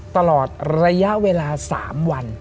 ตลอดระยะเวลา๓วัน